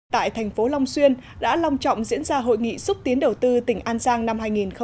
tại thành phố long xuyên đã long trọng diễn ra hội nghị xúc tiến đầu tư tỉnh an giang năm hai nghìn một mươi chín